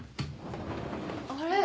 あれ？